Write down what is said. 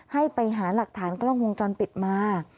ให้ไปหาหลักฐานกล้องวงจรปิดมา